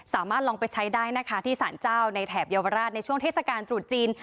สามารถลองไปใช้ได้นะคะที่สารเจ้าในแถบเยาวราชในช่วงเทศกาลตรุษจีน